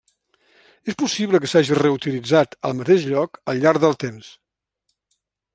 És possible que s'hagi reutilitzat, al mateix lloc, al llarg del temps.